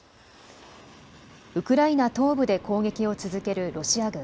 ウクライナ東部で攻撃を続けるロシア軍。